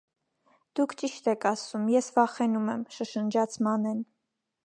- Դուք ճիշտ եք ասում, ես վախենում եմ,- շշնջաց Մանեն: